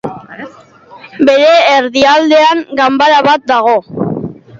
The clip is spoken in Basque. Bere erdialdean, ganbara bat dago.